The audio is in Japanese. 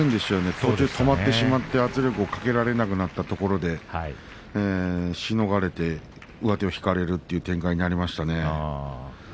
途中で止まってしまって圧力をかけられなくなってしまって、しのがれて上手を引かれるという展開になりましたね。